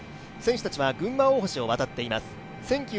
選手たちは群馬大橋を渡っています。